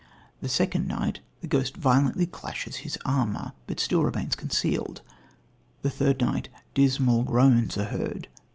The second night the ghost violently clashes his armour, but still remains concealed. The third night dismal groans are heard.